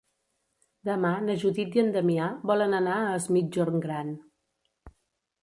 Demà na Judit i en Damià volen anar a Es Migjorn Gran.